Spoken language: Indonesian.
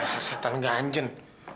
dasar setan ganjen